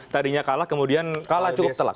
tadinya kalah kemudian kalah cukup telak